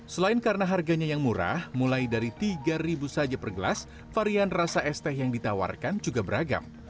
selain karena harganya yang murah mulai dari tiga saja per gelas varian rasa es teh yang ditawarkan juga beragam